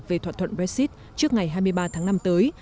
về thỏa thuận brexit trước ngày hai mươi ba tháng năm tới